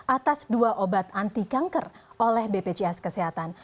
atas dua obat anti kanker oleh bpjs kesehatan